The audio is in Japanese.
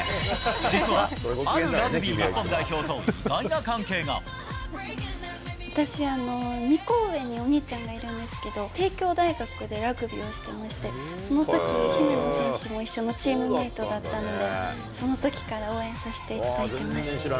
実はあるラグビー日本代表と私、２個上にお兄ちゃんがいるんですけど、帝京大学でラグビーをしてまして、そのとき、姫野選手も一緒のチームメートだったので、そのときから応援させていただいてます。